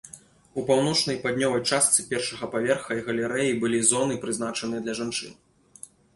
У паўночнай і паўднёвай частцы першага паверха і галерэі была зоны, прызначаныя для жанчын.